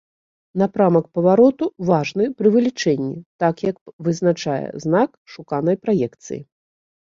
Напрамак павароту важны пры вылічэнні, так як вызначае знак шуканай праекцыі.